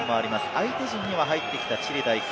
相手陣には入ってきたチリ代表。